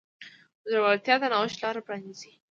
زړورتیا د نوښت لاره پرانیزي.